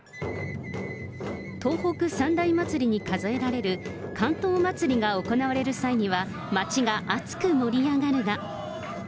東北三大まつりに数えられる竿燈まつりが行われる際には、町が熱く盛り上がるが。